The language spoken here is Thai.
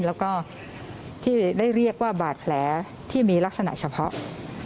แล้วก็ที่ได้เรียกว่าบาดแผลที่มีลักษณะเฉพาะ